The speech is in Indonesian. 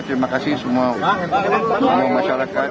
terima kasih semua masyarakat